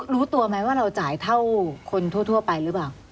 รู้ตัวไหมว่าเราจ่ายเท่าคนทั่วไปหรือเปล่า